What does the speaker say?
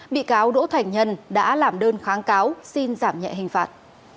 bị cáo đỗ thành nhân đã làm đơn kháng cáo xin giảm nhẹ hình phạt